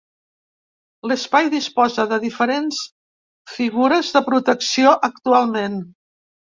L’espai disposa de diferents figures de protecció actualment.